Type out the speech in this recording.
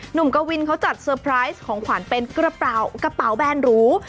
หนุ่มกวินเขาจัดเซอร์ไพรส์ของขวัญเป็นกระเป๋าแบนหรู